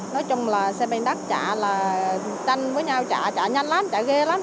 nói chung là xe bên đất chạy là tranh với nhau chạy chạy nhanh lắm chạy ghê lắm